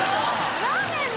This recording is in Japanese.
「ラーメンも！？」